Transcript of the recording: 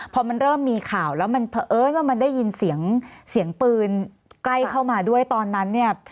พอมันเริ่มมีข่าวแล้วมันได้ยินเสียงปืนใกล้เข้ามาด้วยตอนนั้นเนี่ย